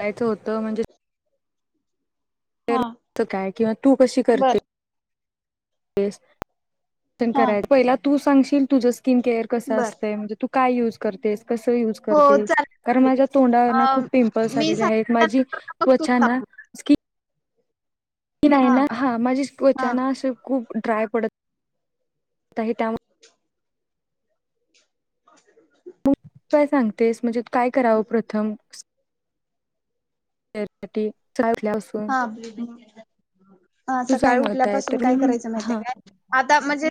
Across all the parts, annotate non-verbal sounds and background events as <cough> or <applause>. जायचं होतं म्हणजे हा तर काय किंवा तू कशी बर करते. तेस. हा तंकराय पहिला तूस सांगशील तुझस किन केअर कस बर असतेय म्हणजे तु काय यूज करतेस. कस युज हो करतेस कारण चालेल चालेल माझ्या तोंडावर खूप अ पिंपल्स मी आलेले आहेत माझी सांगितल्यानंतर मग तू त्वचा ना सांग स्की किन हाय ना हा माझी स हा त्वचा ना अस खूप ड्राय पडत ताही त्यामुळ <unintelligible> मग काय सांगतेस म्हणजे काय करावं प्रथम. <unintelligible> ल्या असून <unintelligible> हा हा सकाळी उठल्यापासून तर मी काय करायचं हा माहितीय का आता म्हणजे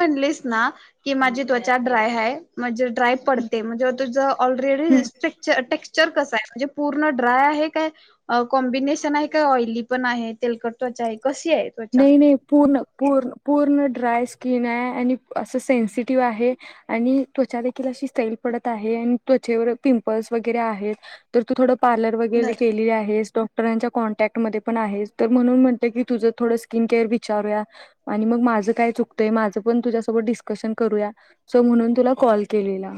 म्हणलीस ना की माझी त्वचा ड्राय हाय म्हणजे ट्राय पडते म्हणजे म तुझं ऑलरेडी हम्म अ स्ट्रिकच स्ट्रेक्च पिकचर कसा आहे म्हणजे पूर्ण ड्राय आहे काय कॉम्बिनेशन आहे काय ऑइली पण आहे तेलकट त्वचा आहे. कशी आहे त्वचा नाही नाही पूर्ण पूर्ण पूर्ण ड्राय स्किन आहे आणि असं सेनसिटिव्ह आहे आणि त्वचा देखील अशी सहील पडत आहे आणि त्वचेवर पिंपल्स वगैरे आहेत तर तू थोडं पार्लर वगैरे बर केलेली आहेस डॉक्टरांच्या कॉनट्याकट मध्ये पण आहेस तर म्हणून म्हणते की तू - - थोडे स्किन केअर बी विचारूया आणि मग माझ काय चुकतय माझ पण तुझ्या सोबत डिस्क्शन करूया सो म्हणून तुला कॉल केलेला.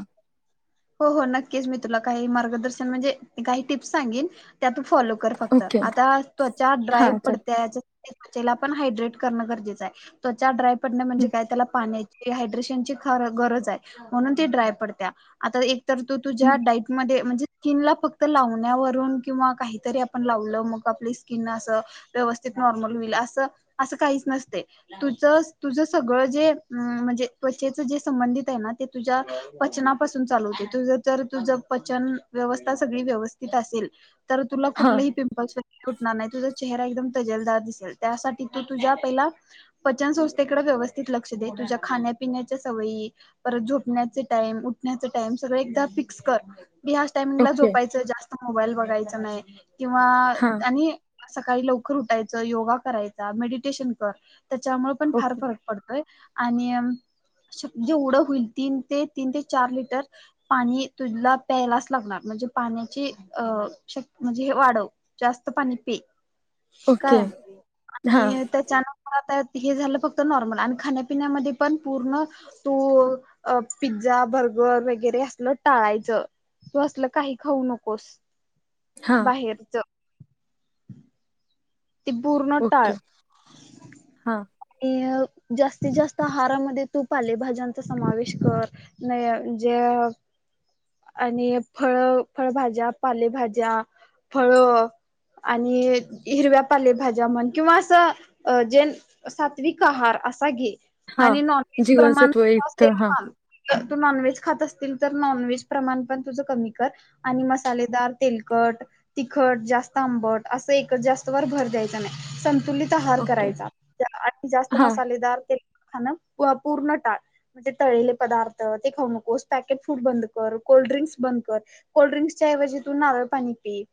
हो हो नक्कीच मी तुला काही मार्गदर्शन म्हणजे काही टिप्स सांगिन. त्या तू फॉलो कर फक्त ओके आता त्वचा ड्राईव्ह हां चल पडते त्यायाच मी त्वचेला पण हायड्रेट करण करजेच आहे त्वचा ड्राय पड हं, म्हणे काय त्याला पाणे. इहायड्रेशनची फार गरज आहे म्हणून ते ड्राय पडतीया. आता एक तर तु हं. तुझ्या डाईटमध्ये म्हणजे स्किन ला फक्त लावण्यावरून किंवा काहीतरी आपण लावलं मग आपली स्किन असं व्यवस्थित नॉर्मल होईल असं असं काहीच नसत तुझं तुझ सगळं जे म्हणजे त्वचेच जे संबंधित आहे ना ते तुझ्या पचना - - चालू होतय तुझ तर तुझ पचन व्यवस्था सगळी व्यवस्थीत असेल तर तुला हां कुठलेही पिंपल्स तुझा चेहरा एकदम तजेलदार दिसेल त्या साठी तु तुझ्या पहिला पचन संस्थेकड व्यवस्थीत लक्ष दे तुझ्या खाण्यापिण्याच्या सवयी परत झोपण्याच टाईम उ - - उठण्याच टाईम सगळ एकदा फिक्स कर. ह्याच टायमिंग ला ओके झोपायच जास्त मोबाईल बगायचा नाही. <unintelligible> किंवा हां आणि सकाळी लवकर उठायचं, योगा करायचा मेडिटेशन कर. त्याच्यामुळे पण फार ओके फरक पडतोय आणि जेवड होईल तीन ते तीन ते चार लिटर पाणी तुला प्यायलाच लागणार, म्हणजे पाण्याची श्य म्हणजे हे वाढव जास्त पाणी पी. ओके काय हां आणि त्याच्या आता हे झालं फक्त नॉर्मल आणि खाण्यापिण्यामध्ये पण पूर्ण तो पी जा बर्गर वगैरे असल टाळायचं, यातू असल काही खाऊ नकोस. हां बाहेरच. ति पूर्णटाळ ओके हां ए ह जास्तीत जास्त आहारामध्ये तू पालेभाज्यांचा समावेश कर, नाही जे आणि फळ फळभाज्या, पालेभाज्या फळ आणि हिरव्या पालेभाजा म्हण किंवा असं जे सात्विक आहार असा घे. हा आणि नॉनव्हेज प्रमाण जीवनसत्व अस युक्त हा ान <unintelligible> तू नॉनव्हेज खात असतील तर नॉनव्हेज प्रमाण पण तुझं कमी कर आणि मसालेदार तेलकट, तिखट, जास्त आंबट असं एकच जास्त वर भर द्यायचा नाही स तुलित आहार ओके करायचा, जास्त हा मसालेदार तेल हा ना पूर्ण टाळ म्हणजे तळलेले पदार्थ, ते खाऊ नकोस पॅकेट फूड बंद कर, कोल्ड्रिंक्स बंद कर, कोल्ड ड्रिंक्सच्या ऐवजी तू नारळ पाणी पी.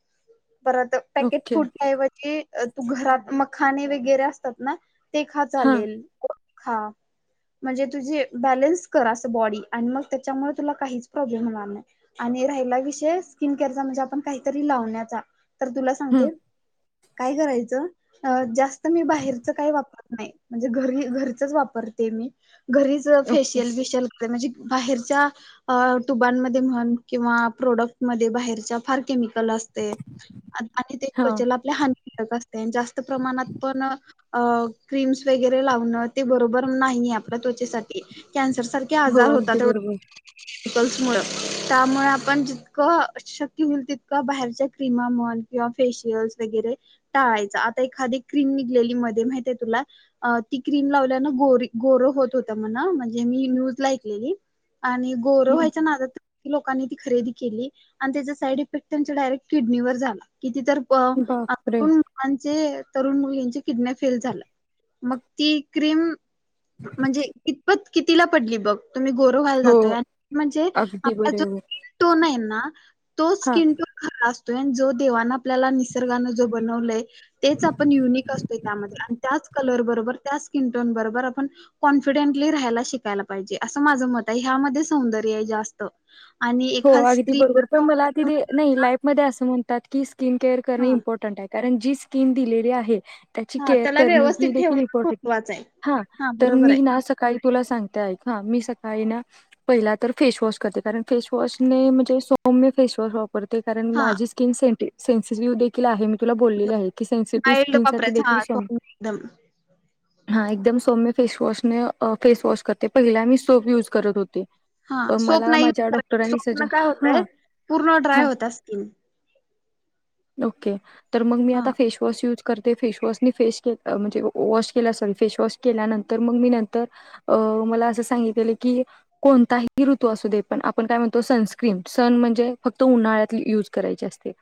बर त पॅकेट ओके फूड च्या ऐव ते तू घरात मखाने वगैरे असतात ना ते खा हा चालेल. हां म्हणजे तुझी बॅलन्स कर असं बॉडी आणि मग त्याच्यामुळे तुला काहीच प्रॉब्लेम होणार नाही. आणि राहिला विषय स्किन केअरचा म्हणजे आपण काहीतरी लावण्याचा तर तुला हम्म सांगते, काय करायचं, जास्त मी बाहेरच काही वापरत नाही म्हणजे घरी घरचच वापरते मी घरीच अ ओके फेशियल बेशियल म्हणजे बाहेरच्या अ तुबांमध्ये म्हण किंवा प्रोडक्ट मधे बाहेरच्या फार केमिक काल असते, आणि ते हा त्वचेला आपल्या हानि असते जास्त प्रमाणात पण अ क्रीम्स वगैरे लावणं ते बरोबर नाहीये आपल्या त्वचेसा कॅन्सर सारखे हो आजार अगदी होतात बरोबर पीकल्स मुळ त्यामुळे आपण जितकं शक्य होईल तितकं बाहेरच्या क्रीमा म्हण किंवा फेशियल्स वगैरे टाळायच, आता एखादी क्रीम निघलेली मध्ये माहिते तुला? अ ती क्रीम लावल्यानं गोरी गोरं होत होता म्हणा म्हणजे मी न्यूज ला ऐकलेली. आणि गोरं हम्म, व्हायच्या नादात लोकांनी ती खरेदी केली आणि त्याचा साइड इफेक्ट त्यांच्या डायरेक्ट किडनीवर झाला. कीती तर ब आप बापरे पण म्हणजे तरुण मुलींची किडन्या फेल झाल्या, मग ती क्रीम म्हणजे इतपत कितीला पडली बघ? तुम्ही गोर व्हायला हो जातोय म्हणजे अगदी आपला जो बरोबर स्किन टोन आहे ना तो हा स्किन टोन खलास - पण जो देवाना आपल्याला निसर्गान दिलय, तेच आपण युनिक असतोय त्यामध्ये आणि त्याच कलर बरोबर त्याच स्किन टोन बरोबर आपण कॉन्फिडंटली राहिला शिकायला पाहिजे असं माझं मत आहे, यामध्ये सौंदर्य आहे जास्त. आणि हो एखाद अगदी स्त्री बरोबर पण मला आधी ते नाही लाईफ मध्ये असं म्हण त्यात किस स्किन केअर हा करणे इम्पॉर्टंट आहे कारण जी स्कीन दिलेली आहे. त्याची हा केअर त्याला कर व्यवस्थित ही देखील ठेवणं इम्पॉर्टंट, महत्वाचं आहे हा तर बरोबर मी आहे ना सकाळी तुला सांगते ऐका हा मी सकाळी ना पाहिला तर फेस वॉश करते, कारण फेस वॉश ने म्हणजे सौम्य फेस वॉश वाप वापरते कारण हा माझी स्किन सेंटि सेन्सेसिव्ह देखील आहे. तुला बोललेली आहे की सेनसिटिव्ह माइल्ड स्किन साठी वापरायचं हा देखील सौम्य एकदम हा एकदम सौम्य फेसवॉशने फेसवॉश करते पहिला मी सोप युज करत होते. हा पण सोप मला नाही माझ्या यूज करा डॉक्टरांनी सज स्वपन काय होतय हा पूर्ण ड्राय हा होत्या स्किन. ओके. तर मग मी हा आता फेसवॉश यूज करते. फेशवॉशनी फेस अ म्हणजे वॉश केल असेल फेसवॉश केल्यानंतर मग मी नंतर मला अस सांगितलं की कोणही ऋतू अस दे पण आपण आपण काय म्हणतो सनस्क्रीन सन म्हणजे फक्त उन्हाळ्यात युज करायची असते.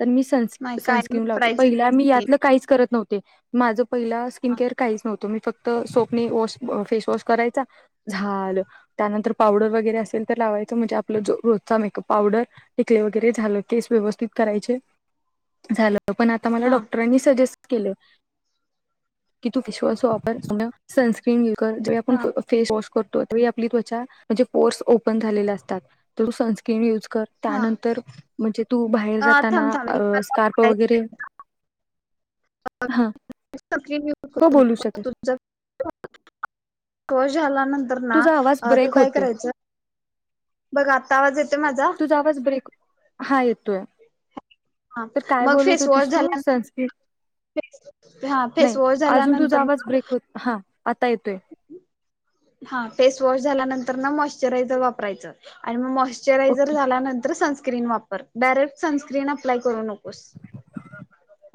तर मी सन नाही काय सनस्क्रीन लावते वापरायच पहिला मी सनस्क्रीन यातलं काहीच करत नव्हते. ते माझं. पहिला स्किन हा केअर काहीच नव्हतं मी फक्त सोपनी वॉश फेस वॉश करायचा झाल त्यानंतर पावडर वगैरे असेल तर लावायच म्हण आप जो रोजचा मेकअप पावडर टिकली वगैरे झालं केस व्यवस्थित कराय झा पण आ मला डक्टरांनी सजेस्ट की तू फेस वॉश अस वापर सनस्क्रीन य े हा आपेसवश <unintelligible> आप म्हर् ओप झा अस <unintelligible> <unintelligible> हा त्यानंतर म्हणजे तू बाहेर अ जाताना थांब थांब एक स्कारप वगैरे हा सनस्क्रीन यूज हो बोलू शकस हो झाला. नंतर ना तू काय होतोय करायचं बघ आता आवाज येतोय माझा तुझा आवाज ब्रेक हा येतोय हा तर काय मग बोलत फेसवॉश होतीस तू सन स्क्रीम झाल्यानंतर हा नाही फेसवॉश अजून तुझा झाल्यानंतर आवाज ना ब्रेक होतय हा आता येतोय हा फेस वॉश झाल्यानंतर र मॉइश्चरायझर वापरायचं. मॉइश्चरायजर ओके झाल्यानंतर सनस्क्रीम- स्क्रीन डायरेक्ट सनस्क्रीनवर अप्लाय करू नको.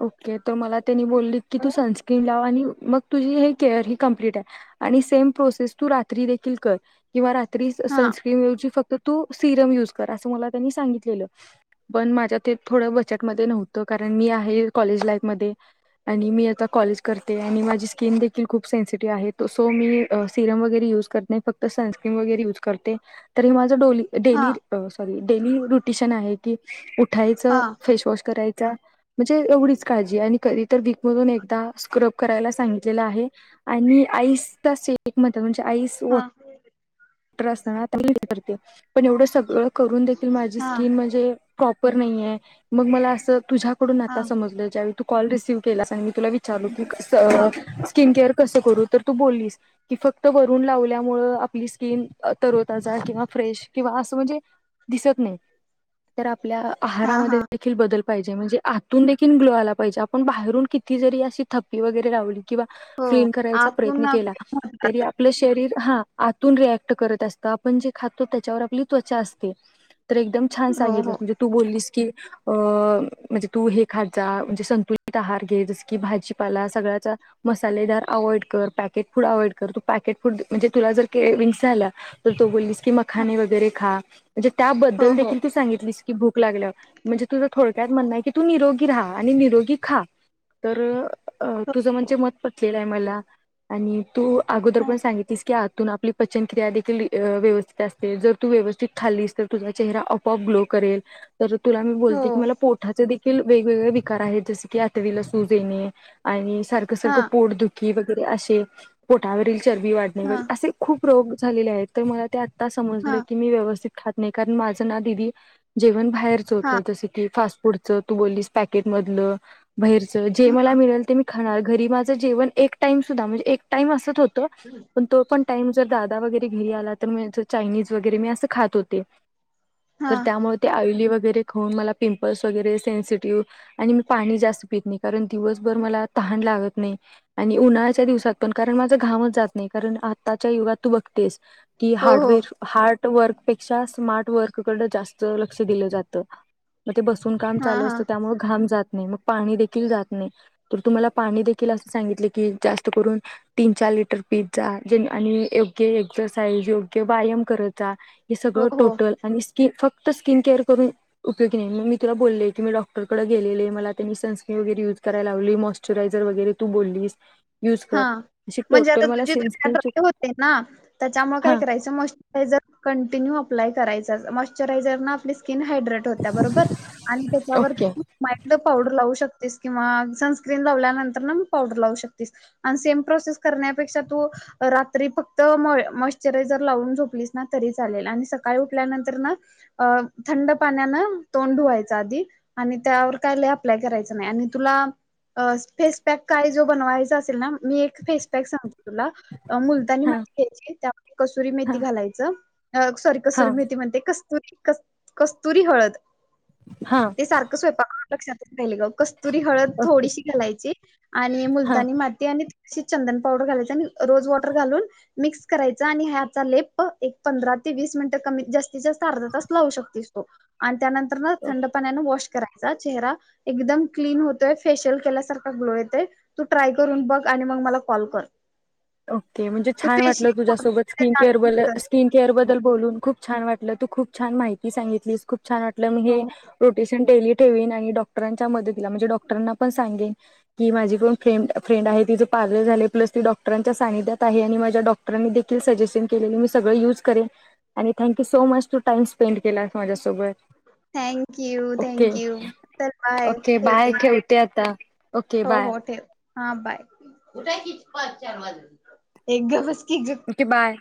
ओके. तर मला त्यांनी बोलले की तू सनस्क्रीन लाव आणि मग तुझी ही केअर ही कम्प्लीट आहे आणि सेम प्रोसेस तू रात्री देखील कर किंवा रा त्री हा सनस्क्रीन ऐवजी फक्त तू सिरम युज कर असं मला त्यांनी सांगितलेलं पण माझ्या ते थोड बच मध्ये नव्हतं कारण मी आहे आताकॉलेज लाईफ मध्ये, आणि मी आता कॉलेज करते आणि माझी स्किन देखील खूप सेन्सिटी आहे तो सो मी सिरम वगैरे युज करत नाही फक्त सनस्क्रीम वगैरे युज करते तरी माझं हा डेली सॉरी डेली रुटिशन आहे कि हा उठायचं करायचा म्हणजे एवढीच काळजी आणि कधी तर वीक मधून एकदा स्क्रब करायला सांगितलेलं आहे. आणि आईस शे <unintelligible> मध्ये आ म्हणज आईस वॉ हा वॉटर असताना <unintelligible> करते. पण एवढं सगळं करून देखील माझी हा स्किन म्हणजे प्रॉपर नाही आहे मग मला असं तुझ्या कडून हा आता समजलं ज्यावेळी तू कॉल रिसीव केलास आणि मी तुला विचारलू की हा अ स्किन केअर कस करू तर तू बोललीस की फक्त वरून लावल्यामुळे आपली स्किन तरोताजा किंवा फ्रेश किंवा असं म्हणजे दिसत नाही तर आपल्या हा हा आहारामध्ये देखील बदल पाहिजे म्हणजे आतून देखील ग्लो आला पाहिजे आपण बाहेरून किती जरी अशी थपी वगैरे लावली किंवा हो क्लीन करायचा आतून प्रयत्न केला तरी महत्वाच आपलं शरीर हा आतून रिएक्ट करत असत आपण जे खातो त्याच्यावर आपली त्वचा असते. तर एकदम छान हो हो सांगितलंस म्हणजे तू बोललीस की अ म्हणजे तू हे खात जा म्हणजे संतुलित आहार घे, जस की भाजीपाला, सगळ्याचा मसालेदार अवॉइड कर, पॅकेट फूड अव्हइड कर, तू पॅकेट फूड म्हणजे तुला जर केविंगस झाला तर तू बोललीस की मखाने वगैरे खा म्हणजे हो त्याबद्दल हो देखील ती सांगितलीस की भूक लागल्यावर म्हणजे तुझं थोडक्यात म्हणणं आहे की तू निरोगी राहा. आणि निरोगी खा. तर अ हो तुझं म्हणजे मत पटलेलं आहे मला आणि तू अगोदर पण सांगितस की आपली पचन क्रिया देखील व्यवस्थित असते, जर तू व्यवस्थित खालीस तर तुझा चेहरा अपोआप ग्लो करेल तर तुला मी हो बोलते की मला पोटाचे हे वेगवेगळे विकार आहेत जस की आतवीला सूज येणे, आणि सारखं हा सारखं पोड दुख वगैरे असे पोटावरील चरबी वाढणे, हा वगैरे असे खूप रोग झालेले आहेत. तर मला त्या हा समजलं की मी व्यवस्थित खात नाही खात, माझ ना जेवण बाहेर होत हा जस की फास पुडचं तू बोललीस पॅकेट मधलं बाहेरच जे मला मिळेल ते मी खाणार घरी माझं जेवन एक टाइम सुद्धा म्हणजे एक टाइम असच होत पण तो पण टाइम जर दादा वगैरे घरी आला तर चायनीज वगैरे मी असं खात होते, हा तर त्यामुळे ते ऑयली वगैर खाऊन मला पिंपल्स वगैरे सेन्सिटिव्ह आणि मी पाणी जास्त पित नई कारण दिवसभर मला तहान लागत नई, आणि उन्हाळ्याच्या दिवसात पण कारण माझ घामच जात नई, कारण आताच्या युगात तू बघतेस की हो हो हार्डवेअर हार्ड वर्कपेक्षा स्मार्ट वर्ककड जास्त लक्ष दिलं जा त. म ते बसून काम हा चालू हा असतं त्यामुळे घाम जात नई मग पाणी देखील जात नई, तर तु मला पाणी देखील असं सांगितले कि जास्त करून तीन चार लिटर पीत जा, जेणे आणि योग्य एक्सरसाइज, योग्य व्यायाम करत जा. हे हो सगळं हो टोटल आणि स्की फक् त स्किन केअर करून उपयोगी नाही म मी तुला बोल्ले, की मी डॉक्टरकडे गेलेले मला त्यांनी सनस्क्रीन वगैर युज करायला लावली, मॉस्चरायझर वगैरे तू बोल्लिस हा म्हणजे आता तुझी <unintelligible> ड्राय होते ना, त्याच्यामुळे काय हा करायच मॉइश्चरायझर कंटिन्यू अप्लाय करायच, मॉचरायझर न आपली स्की स्किन हायड्रेट होत्या बरोबर आणि त्याच्यावर ओके <unintelligible> पावडर लावू शक तेस की मग सनस्क्रीन लावल्यानंतर न मी पावडर लावू शक तीस आणि सेम प्रोसेस करण्यापेक्षा तू, अ रात्री फक्त मॉय मॉचरायझर लावून झोपलीस ना तरी चालेल आणि सकाळी उठल्यानंतर न अ थंड पाण्यान तोंड धुवायच आधी आणि त्यावर काय लई अप्लाय करायच नई आणि तुला फेस पॅक काय जो बनवाय चा असेल ना, मी एक फेसपॅक सांगते. तुला अ मुलतानी हा माती घ्यायची, त्या <unintelligible> कसुरी मेथी हा घालायचं, अ सॉरी कसुरी हा मेथी म्हणते कस तुरी कस कस्तुरी हळद हा ते सारक स्वयंपाक लक्षात राहील ग, कस्तुरी हळद ओके थोडीशी घालायची. आणि हा तानी माती आणि त शी चंदन पावडर घालायच आणि रोज वॉटर घालून मिक्स करायच आणि ह्याचा लेप एक पंधरा ते वीस मिनिट कमी जास्तीत जास्त अर्धा तास लावू शकतीस तो आणि त्यानंत् तरन थंड पाण्यान वाश करायचा चेहरा, एकदम क्लीन होतोय फेशियल केल्यासारखा ग्लो येतोय. तू ट्राय करून बघ आणि मग मला कॉल कर. ओके म्हणजे तू छान वाटलं फेशियल तुझ्यासोबत स्किन केअर बल बद्दल बोलून खूप छान वाटलं तू खूप छान माहिती सांगितलीस, खूप छान वाटलं मी हो हे हो रोटेशन डेली ठेवीन आणि डॉक्टरांच्या मदतीला म्हणजे डॉक्टरांना पण सांगेन की माझी पण फ्रेम फ्रेंड आहे तिज पार्लर झाले प्लस ती डॉक् डॉक्टरांच्या सानिध्यात आहे आणि माझ्या डॉक्टरांनी देखील सजेशन केलेल मी सगळं यूज करेन आणि थँक्यू सो मच तू टाईम स्पेंड केलास माझ्यासोबत thank you, okay thank you तर बाय ओके बाय ठेवते, ठेवते आता ओके हो बाय हो ठेव. हा बाय, उठा की पाच चार वाजल, ए ग भस ओके बाय